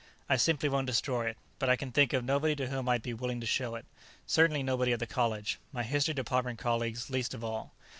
I simply won't destroy it, but I can think of nobody to whom I'd be willing to show it certainly nobody at the college, my History Department colleagues least of all.